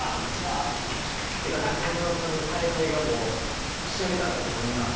中嶋さんの采配が、もうぴしゃりと当たりました。